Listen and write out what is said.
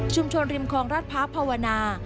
ชุมชนริมคลองราศพร้าวพาวนา